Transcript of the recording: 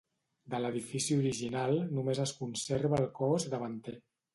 De l'edifici original només es conserva el cos davanter.